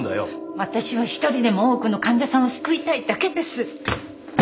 私は一人でも多くの患者さんを救いたいだけです！